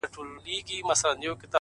خو چي تر کومه به تور سترگي مینه واله یې،